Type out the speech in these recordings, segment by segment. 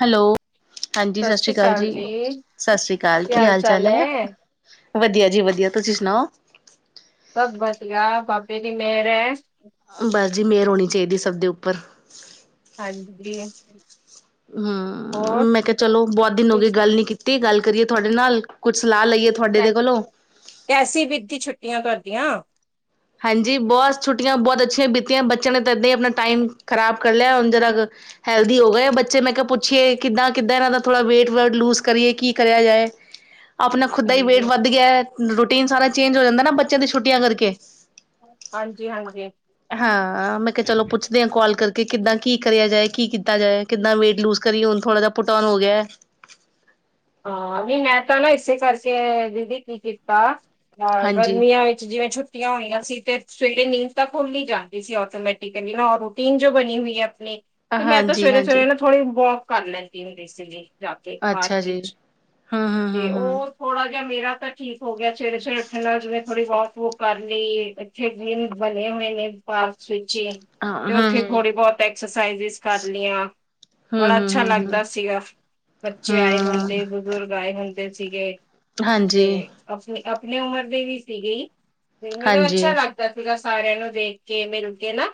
Hello, ਹਾਂਜੀ। ਸਤਿ ਸ੍ਰੀ ਅਕਾਲ ਜੀ। ਸਤਿ ਸ੍ਰੀ ਅਕਾਲ ਕੀ ਹਾਲ- ਚਾਲ ਆ। ਵਧੀਆ ਜੀ ਵਧੀਆ। ਤੁਸੀਂ ਸੁਣਾਓ? ਸਭ ਵਧੀਆ, ਬਾਬੇ ਦੀ ਮੇਹਰ ਹੈ। ਬਸ ਜੀ ਮਿਹਰ ਹੋਣੀ ਚਾਹੀਦੀ, ਸਭ ਦੇ ਉੱਪਰ ਹਾਂਜੀ, ਜੀ। ਹਮ ਮੈਂ ਕਿਹਾ, ਚਲੋ ਬਹੁਤ ਦਿਨ ਹੋ ਗਏ ਤੁਸੀਂ- ਗੱਲ ਨੀ ਕੀਤੀ ਗੱਲ ਕਰੀਏ ਤੁਹਾਡੇ ਨਾਲ ਕੁੱਛ ਸਲਾਹ ਲਈਏ, ਤੁਹਾਡੇ ਦੇ ਕੋਲੋਂ ਦੀਆਂ ਘਰਦੀਆਂ। ਹਾਂਜੀ ਬਹੁਤ ਛੁੱਟੀਆਂ, ਬਹੁਤ ਅੱਛੀਆਂ ਬੀਤੀਆਂ ਬੱਚਿਆਂ ਨੇ ਤਾਂ ਇੱਦਾਂ ਹੀ ਆਪਣਾ ਟਾਈਮ ਖ਼ਰਾਬ ਕਰ ਲਿਆ, ਹੁਣ ਜਰਾ ਹੈਲਦੀ ਹੋ ਗਏ ਆ ਬੱਚੇ ਮੈਂ ਕਿਹਾ, ਪੁੱਛੀਏ ਕਿੱਦਾਂ- ਕਿੱਦਾਂ, ਇਹਨਾਂ ਦਾ ਥੋੜ੍ਹਾ ਵੇਟ- ਵੇਟ ਲੂਜ ਕਰੀਏ ਕੀ ਕਰਿਆ ਜਾਏ। ਆਪਣਾ ਖੁਦ ਦਾ ਹੀ ਵੇਟ ਹਾਂਜੀ, ਵੱਧ ਗਿਆ, ਰੂਟੀਨ ਸਾਰਾ ਚੇਂਜ ਹੋ ਜਾਂਦਾ ਨਾ, ਬੱਚਿਆਂ ਦੀਆਂ ਛੁੱਟੀਆਂ ਕਰਕੇ। ਹਾਂਜੀ-ਹਾਂਜੀ ਹਾਂ ਮੈਂ ਕਿਹਾ, ਚਲੋ ਪੁੱਛਦੇ ਹਾਂ ਕਾਲ ਕਰਕੇ। ਕਿੱਦਾਂ ਕੀ ਕਰਿਆ ਜਾਏ, ਕੀ ਕੀਤਾ ਜਾਏ ਕਿੱਦਾਂ ਵੇਟ ਲੂਜ ਕਰੀਏ, ਹੁਣ ਥੋੜ੍ਹਾ ਜਿਹਾ ਪੁੁਟਓਨ ਹੋ ਗਿਆ। ਠੀਕ। ਹਾਂ ਵੀ ਮੈਂ ਤਾਂ ਨਾ, ਇਸੇ ਕਰਕੇ ਦੀਦੀ ਕੀ ਕੀਤਾ। ਹਾਂ, ਹਾਂਜੀ। ਗਰਮੀਆਂ ਵਿੱਚ ਜਿਵੇਂ ਛੁੱਟੀਆਂ। ਛੁੱਟੀਆਂ ਹੋਈਆਂ ਸੀ। ਤੇ ਸਵੇਰੇ ਨੀਂਦ ਤਾਂ ਖੁੱਲ ਹੀ ਜਾਂਦੀ ਸੀ ਆਟੋਮੈਟਿਕਲੀ ਰੂਟੀਨ ਜੋ ਬਣੀ ਹੋਈ ਹੈ ਆਪਣੀ। ਤੇ ਮੈਂ ਤਾਂ ਹਾਂਜੀ ਸਵੇਰੇ ਹਾਂਜੀ -ਸਵੇਰੇ ਨਾ, ਥੋੜ੍ਹੀ ਵੋਕ ਕਰ ਲੈਂਦੀ ਹੁੰਦੀ ਸੀ ਜਾ ਕੇ ਪਾਰਕ ਅੱਛਾ ਜੀ ਵਿਚ। ਹੂੰ ਹੂੰ ਹੂੰ ਤੇ ਹੂੰ। ਉਹ ਥੋੜਾ ਜਿਹਾ ਮੇਰਾ ਤਾਂ ਠੀਕ ਹੋ ਗਿਆ, ਸਵੇਰੇ -ਸਵੇਰੇ ਉੱਠਣ ਨਾਲ ਜਿਵੇਂ ਥੋੜ੍ਹੀ ਵੋਕ ਵੁਕ ਕਰ ਲਈ ਇੱਥੇ ਜਿਵੇਂ ਬਣੇ। ਹੋਏ ਨੇ ਪਾਰਕ ਵਿੱਚ ਹੀ ਹਾਂ ਤੇ, ਹਾਂ ਉੱਥੇ ਹਾਂ। ਥੋੜੀ ਬਹੁਤ ਐਕਸਰਸਾਈਜ ਕਰ ਲਈਆਂ। ਹੂੰ ਬੜਾ ਹੂੰ ਅੱਛਾ ਹੂੰ ਹੂੰ ਲੱਗਦਾ, ਸੀਗਾ ਬੱਚੇ ਆਏ ਹੂੰ ਹੁੰਦੇ ਬਜ਼ੁਰਗ। ਆਏ ਹੁੰਦੇ ਸੀਗੇ ਹਾਂਜੀ ਤੇ ਆਪਣੀ, ਆਪਣੀ ਉਮਰ ਦੇ ਵੀ ਸੀ ਗੇ । ਮਤਲਬ ਹਾਂਜੀ। ਅੱਛਾ ਲੱਗਦਾ ਸੀਗਾ, ਸਾਰਿਆਂ ਨੂੰ ਦੇਖ ਕੇ ਮਿਲ ਕੇ ਨਾ।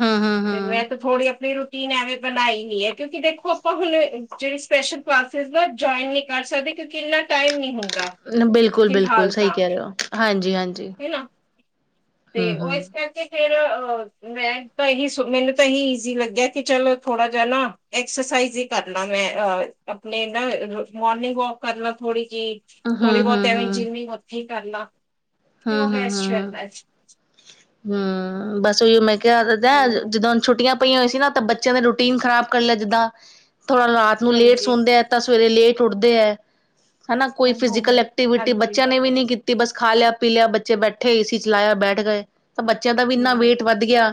ਹੂੰ ਹੂੰ ਫੇਰ, ਮੈਂ ਤਾਂ ਹੂੰ ਥੋੜੀ ਆਪਣੀ । ਰੂਟੀਨ ਐਵੇਂ ਬਣਾਈ ਹੋਈ ਹੈ। ਕਿਉਂਕਿ ਦੇਖੋ ਆਪਾਂ ਹੁਣ ਜਿਹੜੀ ਸਪੈਸ਼ਲ ਕਲਾਸ ਜੁਆਇਨ। ਨਹੀਂ ਕਰ ਸਕਦੇ, ਕਿਉਂਕਿ ਇੰਨਾ ਟਾਈਮ ਨੀ ਹੁੰਦਾ ਬਿਲਕੁਲ ਬਿਲਕੁਲ ਫਿਲਹਾਲ ਸਹੀ ਤਾਂ। ਕਹਿ ਰਹੇ ਹੋ ਹਾਂਜੀ ਹਾਂਜੀ। ਹਨਾ, ਤੇ ਹੂੰ ਉਹ ਹੂੰ ਇਸ ਕਰਕੇ। ਫੇਰ ਮੈਂ ਤਾਂ ਇਹੀ ਮੈਨੂੰ ਤਾਂ ਇਹੀ ਈਜ਼ੀ ਲੱਗਿਆ ਕਿ ਚਲ ਥੋੜਾ ਜਾ ਨਾ ਐਕਸਰਸਾਈਜ਼। ਐਕਸਰਸਾਈਜ਼ ਹੀ ਕਰਲਾ ਮੈਂ ਅਹ ਆਪਣੇ ਨਾ ਮੋਰਨਿੰਗ ਵਾਕ ਕਰ ਲਾ ਥੋੜੀ। ਜੀ ਹੂੰ ਹੂੰ ਥੋੜੀ ਬਹੁਤ ਹੂੰ ਐਵੇਂ ਹੂੰ ਜਿੰਮ ਹੀ ਉੱਥੇ ਹੀ ਕਰ ਲਾ ਤੇ ਉਹ ਬੈਸਟ ਰਹਿੰਦਾ ਸੀ। ਹਮ, ਬਸ ਉਹੀਓ ਮੈਂ ਕਿਹਾ ਦਾ ਹਮ ਜਦੋਂ ਛੁੱਟੀਆਂ। ਪਈਆ ਹੋਇਆਂ ਸੀ ਨਾ, ਤਾਂ ਬੱਚਿਆਂ ਦੇ ਰੂਟੀਨ ਖਰਾਬ ਕਰ ਲਿਆ, ਜਿੱਦਾਂ ਥੋੜਾ ਰਾਤ ਨੂੰ ਲੇਟ ਹਾਂਜੀ ਸੌਦੇ ਆ ਤਾਂ। ਸਵੇਰੇ ਲੇਟ ਉੱਠਦੇ ਹੈ। ਹਨਾ ਕੋਈ ਹਾਂ ਹਾਂ ਫਿਜੀਕਲ ਹਾਂ ਐਕਟੀਵਿਟੀ ਹਾਂਜੀ ਬੱਚਿਆਂ ਨੇ ਵੀ ਨਹੀਂ ਕੀਤੀ ਬਸ ਖਾ ਲਿਆ। ਪੀ ਲਿਆ, ਬੱਚੇ ਬੈਠੇ ਏ ਸੀ ਚਲਾਇਆ, ਬੈਠ ਗਏ ਤਾਂ ਬੱਚਿਆਂ ਦਾ ਵੀ ਇੰਨਾ ਹਮ ਵੇਟ ਵੱਧ ਗਿਆ।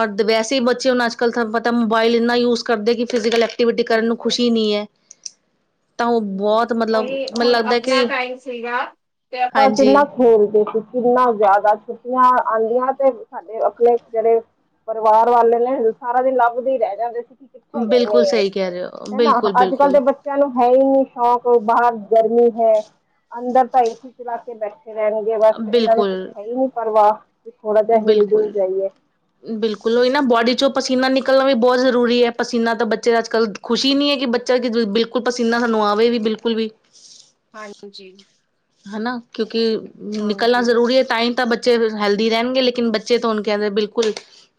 ਔਰ ਵੈਸੇ ਹੀ ਬੱਚੇ ਹੁਣ ਅੱਜ ਕੱਲ ਤੁਹਾਨੂੰ ਪਤਾ ਮੋਬਾਇਲ ਇੰਨਾ ਯੂਜ ਕਰਦੇ ਕੀ ਫਿਜੀਕਲ ਐਕਟੀ ਐਕਟੀਵਿਟੀ ਕਰਨ ਨੂੰ ਬਿਲਕੁਲ। ਖੁਸ਼ੀ ਨਹੀਂ ਹੈ। ਤਾਂ ਉਹ ਬਹੁਤ ਮਤਲਬ ਉਹੀ ਮੈਨੂੰ ਹੁਣ ਲੱਗਦਾ ਆਪਣਾ ਕਿ ਟਾਈਮ ਸੀਗਾ ਤੇ ਆਪਾਂ ਹਾਂਜੀ ਕਿੰਨਾ। ਖੇਲਦੇ ਸੀ, ਕਿੰਨਾ ਜ਼ਿਆਦਾ ਛੁੱਟੀਆਂ ਆਉਂਦੀਆਂ ਤੇ ਸਾਡੇ ਆਪਣੇ ਜਿਹੜੇ। ਪਰਿਵਾਰ ਵਾਲੇ, ਨੇ ਸਾਰਾ ਦਿਨ ਲੱਭਦੇ ਹੀ ਰਹਿ ਜਾਂਦੇ ਸੀ। ਕਿੱਥੇ ਗਏ ਬਿਲਕੁਲ ਨੇੇ, ਸਹੀ ਕਹਿ ਰਹੇ ਹੋ ਹਨਾ ਬਿਲਕੁਲ ਅੱਜ ਕੱਲ੍ਹ ਬਿਲਕੁਲ ਦੇ ਬੱਚਿਆਂ ਨੂੰ। ਤੇ ਸ਼ੌਕ ਬਾਹਰ ਗਰਮੀ ਹੈ, ਅੰਦਰ ਤਾਂ ਏਸੀ ਚਲਾ ਕੇ ਬੈਠੇ। ਬੈਠੇ ਰਹਿਣਗੇ ਬਸ, ਇਹਨਾਂ ਨੂੰ ਕੁਛ ਬਿਲਕੁਲ ਹੈ ਹੀ ਨੀ ਪਰਵਾਹ। ਕਿ ਥੋੜਾ ਜਿਹਾ ਹਿਲ ਬਿਲਕੁਲ ਡੁਲ ਜਾਈਏ -ਬਿਲਕੁਲ, ਉਹ ਨਾ ਬੋਡੀ 'ਚੋਂ। ਪਸੀਨਾ ਨਿਕਲਣਾ ਵੀ ਬਹੁਤ ਜ਼ਰੂਰੀ ਹੈ, ਪਸੀਨਾ ਤਾਂ ਬੱਚੇ ਅੱਜ ਕੱਲ੍ਹ ਖੁਸ਼ੀ ਨਹੀਂ ਹੈ, ਕਿ ਬੱਚਾ ਬਿਲਕੁਲ ਪਸੀਨਾ ਸਾਨੂੰ। ਆਵੇ ਵੀ ਬਿਲਕੁਲ ਵੀ। ਹਾਂਜੀ। ਹਨਾ ਕਿਉਂਕਿ ਨਿਕਲਣਾ ਹਾਂਜੀ ਜ਼ਰੂਰੀ ਹੈ ਤਾਂਈ ਤਾਂ ਬੱਚੇ। ਹੈਲਦੀ ਰਹਿਣਗੇ, ਲੇਕਿਨ ਬੱਚੇ ਤਾਂ ਹੁਣ ਕਹਿੰਦੇ ਬਿਲਕੁਲ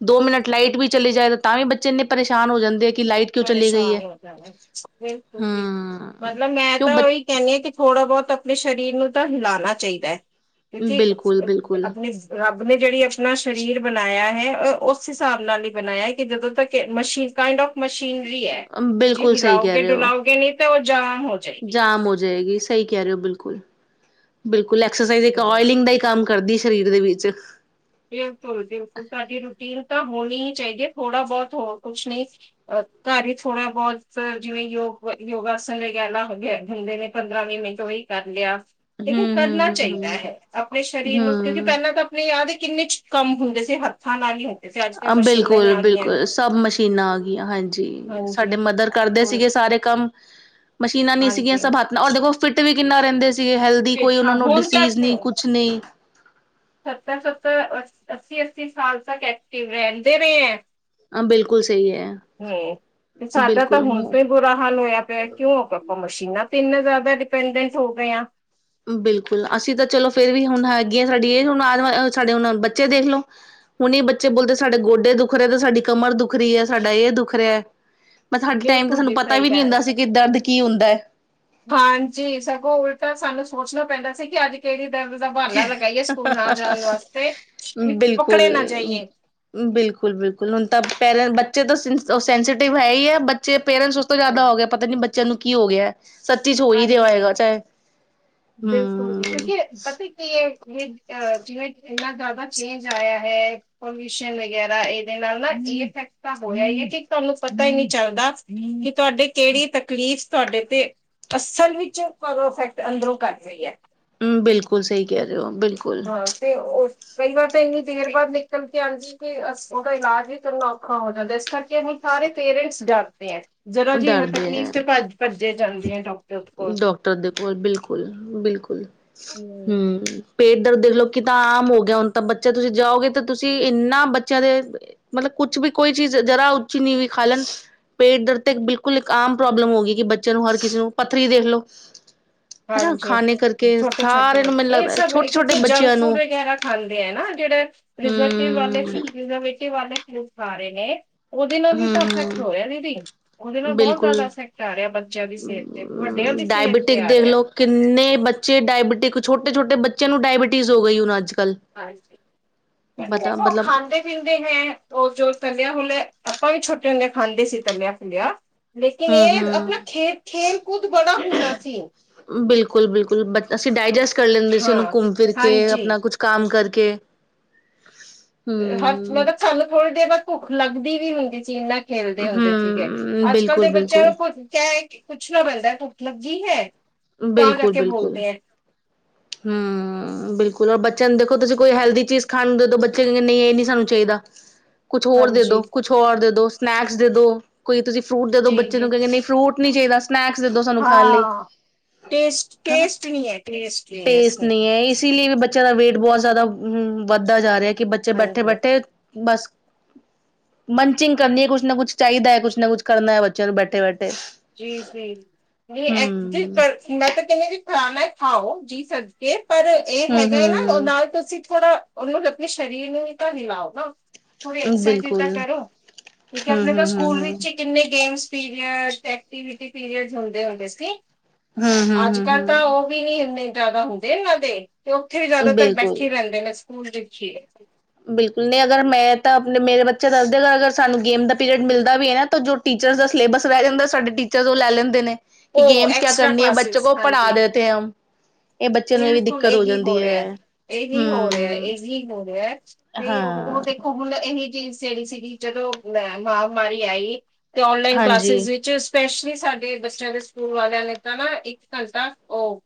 ਦੋ ਮਿੰਟ ਲਾਈਟ ਵੀ ਚਲੇ ਜਾਏ ਤਾਂਵੀ ਬੱਚੇ ਇੰਨੇ। ਪਰੇਸ਼ਾਨ ਹੋ ਜਾਂਦੇ ਹੈ ਕਿ। ਲਾਈਟ ਕਿਉਂ ਚਲੀ ਗਈ ਹੈ ਪਰੇਸ਼ਾਨ ਹੋ ਜਾਂਦੇ ਹੈ, ਬੱਚੇ ਬਿਲਕੁਲ ਜੀ। ਹਮ ਮਤਲਬ ਮੈਂ ਕਿਉਂ ਤਾਂ ਬ ਉਹੀ ਕਹਿੰਦੀ ਹਾਂ, ਕਿ ਥੋੜ੍ਹਾ ਬਹੁਤ ਆਪਣੇ ਸਰੀਰ ਨੂੰ ਤਾਂ ਹਿਲਾਉਣਾ ਚਾਹੀਦਾ ਹੈ। ਕਿਉਂਕਿ ਬਿਲਕੁਲ ਅਹ ਬਿਲਕੁਲ ਆਪਣੇ ਆਪਣੇ। ਆਪਣੇ ਜਿਹੜੀ ਆਪਣਾ ਸਰੀਰ ਬਣਾਇਆ ਹੈ ਉਸ ਹਿਸਾਬ ਨਾਲ ਹੀ ਬਣਾਇਆ ਕਿ ਜਦੋਂ ਤੱਕ ਮਸ਼ੀਨ ਕਾਇੰਡ ਔਫ। ਸੀਨਰੀ ਹੈ ਜੇ ਬਿਲਕੁਲ ਸਹੀ ਕਹਿ ਹਿਲਾਓਗੇ ਰਹੇ ਹੋ ਡੁਲਾਓਗੇ ਨਹੀਂ ਤੇ ਉਹ ਜਾ। ਜਾਮ ਹੋ ਜਾਏਗੀ ਸਹੀ ਕਹਿ ਰਹੇ ਹੋ ਬਿਲਕੁਲ ਬਿਲਕੁਲ ਐਕਸਰਸਾਈਜ਼ ਇੱਕ ਇਲਿੰਗ ਦਾ ਹੀ ਕੰਮ। ਕਰਦੀ ਸਰੀਰ ਦੇ ਵਿੱਚ। ਬਿਲਕੁਲ ਬਿਲਕੁਲ ਸਾਡੀ ਰੂਟੀਨ ਤਾਂ ਹੋਣੀ ਹੀ ਚਾਹੀਦੀ ਹੈ ਥੋੜਾ ਬਹੁਤ ਹੋ ਕੁਛ ਨਹੀਂ ਅ ਘਰ ਹੀ ਥੋੜਾ ਬਹੁਤ ਜਿਵੇਂ ਕਿ ਉਹ। ਯੋਗਾ ਆਸਣ ਵਗੈਰਾ ਹੋ ਗਿਆ ਹੁੰਦੇ ਨੇ ਪੰਦਰਾਂ ਵੀਹ ਮਿੰਟ ਉਹੀ ਕਰ ਲਿਆ ਹੈ। ਲੇਕਿਨ ਹਮ ਹਮ ਕਰਨਾ ਹਮ ਚਾਹੀਦਾ ਹਮ ਹੈ ਆਪਣੇ ਸਰੀਰ ਨੂੰ ਕਿਉਂਕਿ ਪਹਿਲਾਂ ਤਾਂ ਆਪਣੇ ਯਾਦ। ਕਿੰਨੇ ਕੰਮ ਹੁੰਦੇ ਸੀ ਹੱਥਾਂ ਨਾਲ ਹੀ । ਬਿਲਕੁਲ ਬਿਲਕੁਲ ਸਭ ਮਸ਼ੀਨਾਂ ਆ ਗਈਆਂ ਹਾਂਜੀ ਹਾਂਜੀ ਸਾਡੇ ਮਦਰ ਕਰਦੇ ਹੋਰ ਸੀਗੇ। ਸਾਰੇ ਕੰਮ। ਮਸ਼ੀਨਾਂ ਨਹੀਂ ਸੀਗੀਆਂ ਹਾਂਜੀ ਸਭ ਹੱਥ ਨਾਲ ਔਰ ਦੇਖੋ ਫਿੱਟ ਵੀ ਕਿੰਨਾ ਰਹਿੰਦੇ ਸੀ। ਸੀਗੇ ਹੈਲਦੀ ਫਿਰ ਕੋਈ ਉਹਨਾਂ ਹਾਂ ਨੂੰ ਹੁਣ ਡਿਸੀਜ਼ ਤੱਕ ਨਹੀਂ ਕੁਛ ਨਹੀਂ। ਸੱਤਰ ਸੱਤਰ ਅ ਅੱਸੀ ਅੱਸੀ ਸਾਲ ਤੱਕ ਐਕਟਿਵ ਰਹਿੰਦੇ ਰਹੇ ਹੈ ਹਾਂ ਬਿਲਕੁਲ ਸਹੀ ਹੈ ਹਮ ਤੇ ਸਾਡਾ ਤਾਂ ਬਿਲਕੁਲ ਹੁਣ ਹ ਤੋਂ ਹੀ ਬੁਰਾ ਹਾਲ ਹੋਇਆ ਪਿਆ ਕਿਉਂ ਆਪਾਂ ਮਸ਼ੀਨਾਂ ਇੰਨੇ ਜ਼ਿਆਦਾ ਡਿਪੈਂਡ ਹੋ ਗਏ ਆ ਬਿਲਕੁਲ ਅਸੀਂ ਤਾਂ ਚਲੋ ਫਿਰ ਵੀ ਹੁਣ ਹੈਗੀ ਹਾਂ ਸਾਡੀ ਇਹ ਹੁਣ ਆਦ ਸਾਡੇ ਹੁਣ ਬੱਚੇ ਦੇਖ ਲਓ ਹੁਣ ਬੱਚੇ ਬੋਲਦੇ ਸਾਡੇ ਗੋਡੇ ਦੁੱਖ ਰਹੀ ਹੈ ਤਾਂ ਸਾਡੀ ਕਮਰ ਦੁੱਖ ਰਹੀ ਹੈ ਸਾਡਾ ਇਹ ਦੁੱਖ ਰਿਹਾ ਮ ਸਾਡੇ ਟਾਈਮ ਤੇ ਬਿਲਕੁਲ ਸਾਨੂੰ ਜੀ ਪਤਾ ਸਹੀ ਵੀ ਨਹੀਂ ਗੱਲ ਹੈ। ਹੁੰਦਾ ਸੀ ਕਿ ਦਰਦ ਕੀ ਹੁੰਦਾ ਹੈ ਹਾਂਜੀ ਸਗੋਂ ਉਲਟਾ ਸਾਨੂੰ ਸੋਚਣਾ ਪੈਂਦਾ ਸੀ ਕਿ ਅੱਜ ਕਿਹੜੀ ਧਰ ਦਾ ਬਹਾਨਾ ਲਗਾਏ ਸਕੂਲ ਨਾ ਜਾਣ ਵਾਸਤੇ ਕਿ ਬਿਲਕੁਲ ਪਕੜੇ ਨਾ ਜਾਈਏ ਬਿਲਕੁਲ ਬਿਲਕੁਲ ਹੁਣ ਤਾਂ ਪੇਰ ਬੱਚੇ ਤੋਂ ਸੈਂਸਟਿਵ ਹੈ ਹੀ ਹੈ ਬੱਚੇ ਪੇਰੈਂਟਸ ਉਸ ਤੋਂ ਜ਼ਿਆਦਾ ਹੋ ਗਿਆ ਪਤਾ ਨੀ ਬੱਚਿਆਂ ਨੂੰ ਕੀ ਹੋ ਗਿਆ ਸੱਚੀ ਚ ਹੋ ਹੀ ਰਿਹਾ ਹੈਗਾ ਹਾਂਜੀ ਚਾਹੇ ਬਿਲਕੁਲ ਹਮ ਜੀ, ਕਿਉਂਕਿ ਪਤਾ ਜਿਵੇਂ ਇੰਨਾ ਜ਼ਿਆਦਾ ਚੇਂਜ ਆਇਆ ਹੈ ਪੋਲਿਊਸ਼ਨ ਵਗੈਰਾ ਇਹਦੇ ਜੀਵ ਖੱਟਾ ਹੋਇਆ ਤੁਹਾਨੂੰ ਪਤਾ ਹੀ ਨਹੀਂ ਚੱਲਦਾ ਕਿ ਤੁਹਾਡੇ ਕਿਹੜੀ ਤਕਲੀਫ਼ ਤੁਹਾਡੇ ਤੇ ਅਸਲ ਵਿੱਚ ਪਰਫੈਕਟ ਅੰਦਰੋਂ ਘੱਟ ਰਹੀ ਹੈ ਹਮ ਬਿਲਕੁਲ ਸਹੀ ਕਹਿ ਤੇ ਰਹੇ ਹੋ ਬਿਲਕੁਲ ਹਾਂ ਤੇ ਉਹ ਕਈ ਵਾਰ ਤਾਂ ਇੰਨੀ ਦੇਰ ਬਾਅਦ ਨਿਕਲ ਕੇ ਆਉਂਦੀ ਵੀ ਉਹਦਾ ਇਲਾਜ ਵੀ ਕਰਨਾ ਔਖਾ ਹੋ ਜਾਂਦਾ ਇਸ ਕਰਕੇ ਅਸੀਂ ਸਾਰੇ ਪੇਰੈਂਟਸ ਡਦੇ ਹੈ ਜਦ ਜੀ ਡਰਦੇ ਤਕਲੀਫ਼ ਹੈ ਤੇ ਭੱਜੇ ਜਾਂਦੇ ਹੈ ਡਾਕਟਰ ਕੋਲ। ਡਾਕਟਰ ਦੇ ਕੋਲ ਬਿਲਕੁਲ ਬਿਲਕੁਲ ਹੂੰ। ਹਮ ਪੇਟ ਦਰਦ ਦੇਖ ਲਓ ਕਿ ਤਾਂ ਆਮ ਹੋ ਗਿਆ ਹੁਣ ਤਾਂ ਬੱਚਾ ਬੱਚਾ ਤੁਸੀਂ ਜਾਓਗੇ ਤਾਂ ਤੁਸੀਂ ਇੰਨਾ ਬੱਚਿਆਂ ਦੇ ਮਤਲਬ ਕੁਛ ਵੀ ਕੋਈ ਚੀਜ਼ ਜਰਾ ਉੱਚੀ ਨੀ ਵੀਖਾ ਲਣ ਪੇਟ ਦਰਦ ਤੇ ਬਿਲਕੁਲ ਇੱਕ ਆਮ ਪ੍ਰੋਬਲਮ ਹੋ ਗਈ, ਕਿ ਬੱਚਿਆਂ ਨੂੰ ਹਰ ਕਿਸੇ ਨੂੰ ਪੱਥਰੀ ਦੇਖ ਲੋ। ਹਾਂਜੀ ਛੋਟੇ ਛੋਟੇ ਨੂੰ ਮੈਨੂੰ ਬੱਚੇ, ਇਹ ਲੱਗਦਾ ਸਭ ਛੋਟੇ ਛੋਟੇ ਕਿਉਂਕਿ ਜੰਕ ਬੱਚਿਆਂ ਨੂੰ ਫੂਡ ਵਗੈਰਾ ਖਾਂਦੇ ਐ ਨਾ। ਜਿਹੜੇ [unintelligible] ਵਾਲੇ ਹਮ ਰਹੇ ਨੇ ਉਹਦੇ ਨਾਲ ਵੀ ਹਮ ਤਾਂ ਇਫੈਕਟ ਹਮ ਹੋਇਆ ਦੀਦੀ ਉਹਦੇ ਨਾਲ ਬਹੁਤ ਬਿਲਕੁਲ ਜ਼ਿਆਦਾ ਇਫੈਕਟ ਆ ਰਿਹਾ ਬੱਚਿਆਂ ਦੀ ਸਿਹਤ ਤੇ ਵੱਡੇ ਹੁੰਦੀ ਸਿਹਤ ਡਾਇਬਟਿਕ ਤੇ ਦੇਖ ਰਿਹਾ। ਲਓ ਕਿੰਨੇ ਬੱਚੇ ਡਾਇਬਟਿਕ ਛੋਟੇ ਛੋਟੇ ਬੱਚਿਆਂ ਨੂੰ ਡਾਇਬਟੀਜ਼ ਹੋ ਗਈ ਹੁਣ ਅੱਜ ਕੱਲ ਹਾਂਜੀ ਪਤਾ ਦੇਖੋ ਮਤਲਬ ਖਾਂਦੇ ਪੀਂਦੇ ਹੈ ਉਹ ਜੋ ਤਲਿਆ ਹਮਨੇ ਆਪਾਂ ਵੀ ਛੋਟੇ ਹੁੰਦੇ ਖਾਂਦੇ ਸੀ ਤਲਿਆ ਫਿਲਿਆ ਲੇਕਿਨ ਹਮ ਇਹ ਆਪਣਾ ਹਮ ਖੇ ਖੇਲ ਕੂਦ ਬੜਾ ਹੁੰਦਾ ਸੀ ਬਿਲਕੁਲ ਬਿਲਕੁਲ ਬ ਅਸੀਂ ਡਾਈਜੈਸਟ ਕਰ ਲੈਂਦੇ ਸੀ ਉਹਨੂੰ ਹਾਂ, ਘੁੰਮ ਫਿਰ ਕੇ ਹਾਂਜੀ। ਆਪਣਾ ਕੁਛ ਕੰਮ ਕਰਕੇ ਕੇ ਹ ਮਤਲਬ ਸਾਨੂੰ ਥੋੜੀ ਦੇਰ ਬਾਅ ਭੁੱਖ ਲੱਗਦੀ ਵੀ ਹੁੰਦੀ ਸੀ ਜਿੰਨਾ ਖੇਲਦੇ ਹੁੰਦੇ ਸੀਗੇ ਹਮ ਅੱਜ ਕੱਲ ਦੇ ਬਿਲਕੁਲ ਬੱਚਿਆਂ ਦਾ ਬਿਲਕੁਲ ਭੁ ਕਿਆ ਕੁੱਛ ਨਾ ਬਣਦਾ ਭੁੱੱਖ ਲੱਗੀ ਹੈ ਤਾਂ ਕਰਕੇ ਬੋਲਦੇ ਹੈ ਹਮ ਬਿਲਕੁਲ ਔਰ ਬੱਚਿਆਂ ਨੂੰ ਦੇਖੋ ਤੁਸੀਂ ਕੋਈ ਹੈਲਦੀ ਚੀਜ਼ ਖਾਣ ਨੂੰ ਦੇਦੋ ਬੱਚੇ ਕਹਿੰਦੇ ਨਹੀਂ ਇਹ ਨੀ ਸਾਨੂੰ ਚਾਹੀਦਾ ਦਾ ਕੁਛ ਹੋਰ ਦੇ ਦੋ, ਹਾਂਜੀ ਕੁਛ ਹੋਰ ਦੇ ਦੋ, ਸਨੈਕਸ ਦੇ ਦੋ, ਕੋਈ ਤੁਸੀਂ ਫਰੂਟ ਦੇ ਦੋ, ਜੀ ਬੱਚੇ ਨੂੰ ਜੀ ਕਹਿੰਦੇ ਨਹੀਂ ਫਰੂਟ ਨਹੀਂ ਚਾਹੀਦਾ ਸਨੈਕਸ ਦੇਦੋ ਸਾਨੂੰ ਖਾਣ ਲਈ, ਹਾਂ ਟੇਸਟ ਹੈਨਾ। ਟੇਸਟ ਨਹੀਂ ਹੈ ਟੇਸਟ ਨਹੀਂ ਹੈ ਇਸ ਟੇਸਟ ਵਿੱਚ। ਨਹੀਂ ਹੈ, ਇਸ ਲਈ ਵੀ ਬੱਚਿਆਂ ਦਾ ਵੇਟ ਬਹੁਤ ਜ਼ਿਆਦਾ ਵੱਧਦਾ ਜਾ ਰਿਹਾ ਐ। ਕਿ ਬੱਚੇ ਬੈਠੇ ਹਾਂਜੀ ਬੈਠੇ ਬਸ ਮੰਚਿੰਗ ਕਰਨੀ ਹੈ, ਕੁਛ ਨਾ ਕੁਛ ਚਾਹੀਦਾ ਹੈ, ਕੁੱਛ ਨਾ ਕੁੱਛ ਕਰਨਾ ਹੈ, ਬੱਚਿਆਂ ਨੂੰ ਬੈਠੇ ਬੈਠੇ ਜੀ ਜੀ ਨਹੀਂ, ਐ ਜੀ ਹੂੰ। ਪਰ, ਮੈਂ ਤਾਂ ਕਹਿੰਨੀ ਆਂ ਜੀ ਖਾਣਾ ਐ, ਖਾਓ ਜੀ ਸਦ ਕੇ, ਪਰ ਇਹ ਹੂੰ ਹੈਗਾ ਹੈ ਨਾ ਉਹ ਹੂੰ ਨਾਲ ਤੁਸੀਂ ਥੋੜਾ ਔਨੂ ਆਪਣੇ ਸ਼ਰੀਰ ਨੂ ਵੀ ਤਾਂ ਹਿਲਾਯੋ ਨਾ। ਪੂਰੀ ਐਕਸਰ ਸਾਈਜ਼ ਤਾਂ ਬਿਲਕੁਲ ਕਰੋ, ਕਿਉਂਕਿ ਹੂੰ ਆਪਣੇ ਹੂੰ ਤਾਂ ਹੂੰ ਸਕੂਲ ਹੂੰ। ਵਿੱਚ ਹੀ ਕਿੰਨੇ ਗੇਮਸ ਪੀਰੀਅਡ, ਐਕਟੀਵਿਟੀ ਪੀਰੀਅਡ ਹੁੰਦੇ ਹੁੰਦੇ ਸੀ। ਹੂੰ ਹੂੰ ਅੱਜ ਹੂੰ ਕੱਲ੍ਹ ਤਾਂ ਹੂੰ ਉਹ ਵੀ ਨੀ ਹੁੰਦੇ। ਜ਼ਿਆਦਾ ਹੁੰਦੇਨਾਂ ਦੇ ਤੇ ਉੱਥੇ ਵੀ ਜ਼ਿਆਦਾਤਰ ਬਿਲਕੁਲ ਬੈਠੇ ਹੀ ਰਹਿੰਦੇ ਨੇ ਸਕੂਲ ਵਿਚ ਏ। ਬਿਲਕੁਲ ਨਹੀਂ ਅਗਰ ਮੈਂ ਤਾਂ ਆਪਣੇ, ਮੇਰੇ ਬੱਚੇ ਦੱਸਦੇ ਅਗਰ ਸਾਨੂੰ ਗੇਮ ਦਾ ਪੀਰੀਅਡ ਮਿਲਦਾ ਵੀ ਹੈ ਨਾ, ਜੋ ਟੀਚਰ ਦਾ ਸਿਲੇਬਸ ਰਹਿ ਜਾਂਦਾ, ਸਾਡੇ ਟੀਚਰ ਉਹ ਲੈ ਲੈਂਦੇ ਨੇ ਕਿ ਉਹ ਗੇਮਸ ਕਿਆ ਐਕਸਟਰਾ ਕਰਨੀ ਹੈ ਬੱਚੇ ਕਲਾਸਿਸ ਕੋ ਪੜ੍ਹਾ ਹਾਂਜੀ ਦੇਤੇ ਹਮ ਇਹ ਬੱਚੇ ਨੂੰ ਵੀ ਬਿਲਕੁਲ ਦਿੱਕਤ ਇਹ ਵੀ ਜਾਂਦੀ ਹੋ ਰਿਹਾ- ਹੈ ਇਹੀ ਹੋ ਰਿਹਾ- ਹਮ ਇਹੀ ਹੋ ਰਿਹਾ ਤੇ ਹਾਂ ਉਹ ਦੇਖੋ ਹੁਣ ਇਹਹੀ ਚੀਜ਼ ਜਿਹੜੀ ਸੀਗੀ ਜਦੋਂ ਅਹ ਮਹਾ ਮਾਰੀ ਆਈ ਤੇ ਔਨਲਾਈਨ ਹਾਂਜੀ ਕਲਾਸਿਸ ਵਿੱਚ ਸਪੈਸ਼ਲੀ ਸਾਡੇ ਬੱਚਿਆਂ ਦੇ ਸਕੂਲ ਵਾਲਿਆਂ ਨੇ ਤਾਂ ਨਾ ਇੱਕ ਘੰਟਾ ਉਹ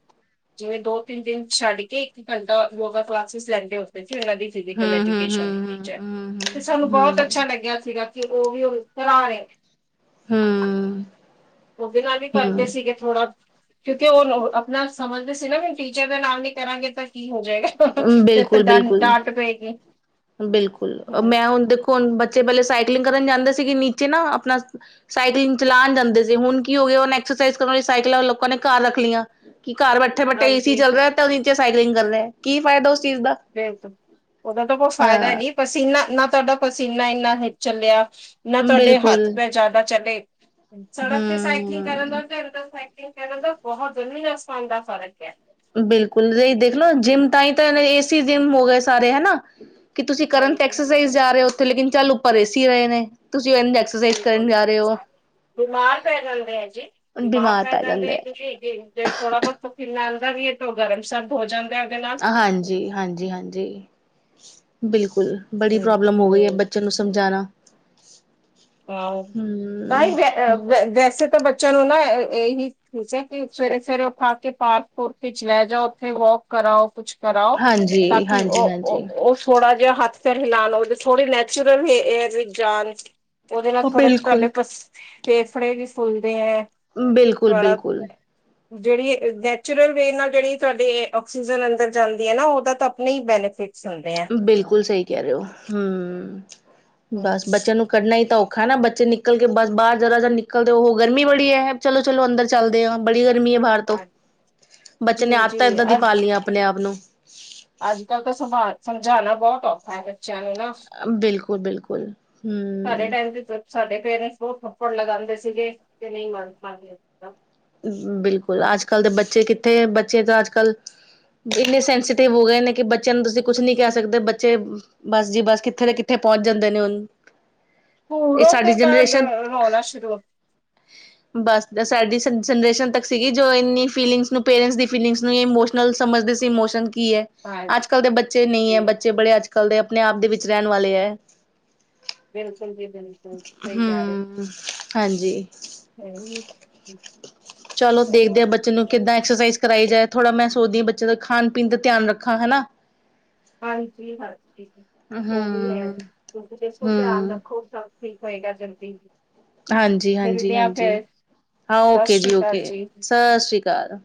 ਜਿਵੇਂ ਦੋ ਤਿੰਨ ਦਿਨ ਛੱਡ ਕੇ ਇੱਕ ਘੰਟਾ ਯੋਗਾ ਕਲਾਸਿਸ ਲੈਂਦੇ ਹੋਦੇ ਇਹਨਾਂ ਦੀ ਫਿਜ਼ਕਲ ਹਮ ਹਮ ਐਜੂਕੇਸ਼ਨ ਦੀ ਹਮ ਟੀਚਰ ਹਮ ਤੇ ਸਾਨੂੰ ਹਮ ਬਹੁਤ ਅੱਛਾ ਲੱਗਿਆ ਸੀਗਾ ਤੇ ਔਹ ਵੀ, ਉਸ ਤਰਹ ਹੈ। ਹਾਂ ਔਦੇ ਨਾਲ ਵੀ ਕਰਦੇ ਸੀਗੇ ਥੋੜਾ, ਕਿਉਂਕਿ ਔਹ ਨਾ ਸਮਝਦੇ ਸੀ ਨਾ ਵੀਣ ਟੀਚਰ ਦਾ ਨਾਲ ਨੀ ਕਰਾਂਗੇ ਤਾਂ ਕੀ ਹੋ ਹਮ ਫਿਰ ਤਾਂ ਬਿਲਕੁਲ ਡ ਬਿਲਕੁਲ ਡਾਂਟ ਪਏਗੀ ਬਿਲਕੁਲ, ਹਮ, ਮੈਂ ਹੁਣ ਦੇਖੋ ਹੁਣ ਬੱਚੇ ਪਹਿਲੇ ਸਾਈਕਲਿੰਗ ਕਰਨ ਜਾਂਦੇ ਸੀਗੇ, ਨੀਚੇ ਨਾ ਆਪਣਾ ਸਾਈਕਲਿੰਗ ਚਲਾਉਣ ਜਾਂਦੇ ਸੀ ਹੁਣ ਕੀ ਹੋ ਗਏ ਉਹੈ ਐਕਸਰਸਇਜ ਕਰਨ ਲਈ ਸਾਈਕਲਾਂ, ਲੋਕਾਂ ਨੇ ਘਰ ਰੱਖ ਲਈਆਂ ਕਿ ਘਰ ਬੈਠੇ ਬੈਠੇ ਏ ਸੀ ਹਾਂਜੀ ਚੱਲ ਰਿਹਾ, ਤੇ ਉਹ ਨੀਚੇ ਸਾਈਕਲਿੰਗ ਕਰ ਰਿਹਾ ਕੀ ਫਾਇਦਾ ਚੀਜ਼ ਦਾ ਉਹਦਾ, ਤਾਂ ਕੋਈ ਫ਼ਾਇਦਾ ਹੀ ਹਾਂ ਨਹੀਂ ਪਸੀਨਾ ਨਾ ਤੁਹਾਡਾ ਪਸੀਨਾ ਇੰਨਾ ਹ ਚੱਲਿਆ ਨਾ, ਤੁਹਾਡੇ ਬਿਲਕੁਲ ਹੱਥ- ਪੈਰ ਜ਼ਿਆਦਾ ਚਲੇ ਸੜਕ ਤੇ ਸਾਈਕਲਿੰਗ ਕਰਨ ਹਮ ਦਾ, ਘਰ ਤੱਕ ਸਾਈਕਲਿੰਗ ਕਰਨ ਦਾ, ਬਹੁਤ ਜ਼ਮੀਨ ਆਸਮਾਨ ਦਾ ਫ਼ਰਕ ਹੈ। ਬਿਲਕੁਲ, ਦੇਖਲੋ ਜਿੰਮ ਤਾਂ ਹੀ ਤਾਂ ਏਸੀ ਜਿੰਮ ਹੋ ਗਏ ਸਾਰੇ ਹਨਾ ਕਿ ਤੁਸੀਂ, ਕਰਨ ਤੇ ਹਾਂਜੀ ਐਕਸਰਸਾਈਜ਼ ਜਾ ਰਹੇ ਹੋ ਉਥੇ, ਲੇਕਿਨ ਚੱਲ ਉਪਰ ਏਸੀ ਰਹੇ ਨੇ ਤੁਸੀਂ ਐਕਸਰਸਾਈਜ਼ ਕਰਨ ਬਿਲਕੁਲ ਜਾ ਰਹੇ ਹੋ ਬਿਮਾਰ ਪੈ ਜਾਂਦੇ ਹੈ ਜੀ, ਬਿਮਾਰ ਪੈ ਜਾਂਦੇ ਆ ਤੁਸੀਂ ਥੋੜਾ ਬਹੁਤ ਪਸੀਨਾ ਤਵੀ ਤੋ ਗਰਮ ਸਰਦ ਹੋ ਜਾਂਦਾ ਉਹਦੇ ਨਾਲ ਹਾਂਜੀ- ਹਾਂਜੀ -ਹਾਂਜੀ ਬਿਲਕੁਲ ਬੜੀ ਪ੍ਰੋਬਲਮ ਹੋ ਗਈ ਹੈ, ਹੂੰ ਬੱਚਿਆਂ ਨੂੰ ਸਮਝਾਉਣਾ ਆਹੌ, ਤਾਂ ਹੀ ਹਮ ਵੈਸੇ ਤਾਂ ਬੱਚਿਆਂ ਨੂੰ ਨਾ ਇਹੀ ਠੀਕ ਹੈ, ਕਿ ਸਵੇਰੇ ਸਵੇਰੇ ਉਠਾ ਕੇ ਪਾਰਕ ਪੁਰਕ ਚ ਲੈ ਜਾਓ ਉੱਥੇ ਵੋਕ ਕਰਾਓ ਕੁਛ ਕਰਾਓ ਹਾਂਜੀ ਤਾਂਕਿ ਹਾਂਜੀ ਔਹ ਹਾਂਜੀ ਔਹ ਛੋੜਾ ਹੱਥ ਪੈਰ ਹਿਲਾਣ ਉਹਦੇ ਥੋੜੀ ਨੈਚੁਰਲ ਏਅਰ ਵਿੱਚ ਜਾਣ ਔਦੇ ਨਾਲ ਥੋੜੇ ਤੁਹਾਡੇ ਬਿਲਕੁਲ ਪ ਫੇਫੜੇ ਵੀ ਫੁੱਲਦੇ ਹੈ ਬਿਲਕੁਲ ਥੋੜਾ -ਬਿਲਕੁਲ ਜਿਹੜੀ ਨੈਚੁਰਲ ਵੇ ਨਾਲ ਜਿਹੜੀ ਤੁਹਾਡੀ ਆਕਸੀਜਨ ਅੰਦਰ ਜਾਂਦੀ ਹੈ, ਨਾ ਉਹਦਾ ਤਾਂ ਆਪਣੇ ਹੀ ਬੈਨੀਫਿਟ ਬਿਲਕੁਲ ਸਹੀ ਕਹਿ ਰਹੇ ਹੋ, ਹੂ ਹਮ ਬਸ ਬੱਚਿਆਂ ਨੂੰ ਕੱਰਣਾ ਔਖਾ ਨਾ ਬੱਚੇ ਨਿਕਲ ਕੇ ਬਸ ਬਾਹਰ ਜ਼ਰਾ ਜ ਨਿਕਲਦੇ ਉਹ ਗਰਮੀ ਬੜੀ ਹੈ ਚਲੋ ਚਲੋ ਅੰਦਰ ਚੱਲਦੇ ਆ, ਬੜੀ ਗਰਮੀ ਹੈ ਬਾਹਰ ਤੋਂ, ਹਾਂਜੀ। ਬੱਚੇ ਜੀ ਨੇ ਆਦਤ ਜੀ ਇਏਦਾਂ ਦੀ ਅੱਜ ਪਾ ਲਈਆਂ ਆਪਣੇ ਆਪ ਨੂੰ ਅੱਜ ਕੱਲ ਤਾਂ ਸਮਾ ਸਮਝਾਉਣਾ ਬਹੁਤ ਔਖਾ ਹੈ ਬੱਚਾ ਸਾਨੂੰ ਨਾ ਬਿਲਕੁਲ ਬਿਲਕੁਲ ਸਾਡੇ ਹਮ ਟਾਈਮ ਤੇ ਤ ਸਾਡੇ ਪੇਰੈਂਟਸ ਦੋ ਥੱਪੜ ਲਗਾਉਂਦੇ ਸੀਗੇ ਕਿ ਨਹੀਂ ਮਨ ਬਿਲਕੁਲ ਅੱਜ ਕੱਲ੍ਹ ਦੇ ਬੱਚੇ ਕਿੱਥੇ ਬੱਚੇ ਤਾਂ ਅੱਜ ਕੱਲ੍ਹ ਇੰਨੇ ਸੈਂਸੀਟਿਵ ਹੋ ਗਏ ਨੇ, ਕਿ ਬੱਚਿਆਂ ਨੂੰ ਤੁਸੀਂ ਕੁਛ ਨੀ ਕਹਿ ਸਕਦੇ ਬੱਚੇ ਬਸ ਜੀ ਬਸ ਕਿੱਥੇ ਦੇ ਕਿੱਥੇ ਪਹੁੰਚ ਜਾਂਦੇ ਨੇ ਹੁਨ [unintelligible] ਬਸ, ਸਾਡੀ ਸੰ ਜਨਰੇਸ਼ਨ ਤੱਕ ਸੀਗੀ ਜੋ ਇੰਨੀ ਫੀਲਿੰਗਸ ਨੂੰ, ਪੇਰੈਂਟਸ ਦੀ ਫੀਲਿੰਗਸ ਨੂੰ ਇਮੋਸ਼ਨਲ ਸਮਝਦੇ ਸੀ ਇਮੋਸ਼ਨ ਕੀ ਹੈ ਅੱਜ ਹਾਂਜੀ ਕੱਲ੍ਹ ਦੇ ਬੱਚੇ ਨਹੀਂ ਹੈ, ਜੀ ਬੱਚੇ ਬੜੇ ਅੱਜ ਕੱਲ੍ਹ ਦੇ ਆਪਣੇ ਆਪ ਦੇ ਵਿੱਚ ਰਹਿਣ ਵਾਲੇ ਹੈ ਬਿਲਕੁਲ ਜੀ, ਬਿਲਕੁਲ ਸਹੀ ਕਹਿ ਰਹੇ ਹਮ ਹਾਂਜੀ। ਚਲੋ ਦੇਖਦੇ ਆ, ਬੱਚੇ ਨੂੰ ਕਿੱਦਾਂ ਐਕਸਰਸਾਈਜ਼ ਕਰਵਾਈ ਜਾਏ, ਥੋੜ੍ਹਾ ਮੈਂ ਸੋਚਦੀ ਹਾਂ ਬੱਚੇ ਦਾ ਖਾਣ, ਪੀਣ ਦਾ ਧਿਆਨ ਰੱਖਾਂ ਹਨਾ। ਹਾਂਜੀ, [unintelligible] ਉਹ ਵੀ ਹੈ ਹਮ ਕਿਉਂਕਿ ਜਿਸ ਨੂੰ ਧਿਆਨ ਹਮ ਰੱਖੋ ਸਭ ਠੀਕ ਹੋਏਗਾ ਜ। ਹਾਂਜੀ -ਹਾਂਜੀ, ਹਾਂਜੀ ਫੇਰ ਹਾਂ, ਸਤਿ ਓਕੇ ਜੀ ਸ੍ਰੀ ਅਕਾਲ ਓਕੇ ਜੀ ਸਤਿ ਸ੍ਰੀ ਅਕਾਲ।